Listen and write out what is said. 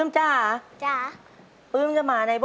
สวัสดีครับ